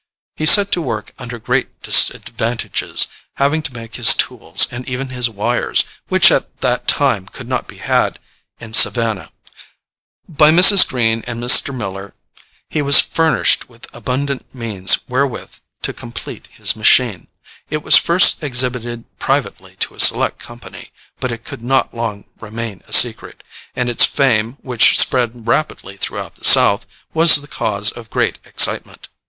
He set to work under great disadvantages, having to make his tools, and even his wires, which at that time could not be had in Savannah. By Mrs. Greene and Mr. Miller he was furnished with abundant means wherewith to complete his machine. It was first exhibited privately to a select company, but it could not long remain a secret, and its fame, which spread rapidly throughout the South, was the cause of great excitement.